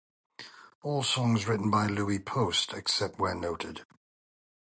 All songs written by Louise Post, except where noted.